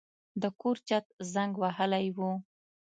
د کور چت زنګ وهلی و.